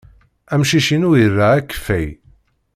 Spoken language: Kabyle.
Amcic-inu ira akeffay.